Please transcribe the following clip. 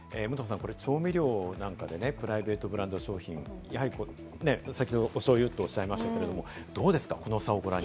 武藤さん、これ、調味料なんかでね、プライベートブランド商品、やはり先ほど、お醤油とおっしゃいましたが、どうですか？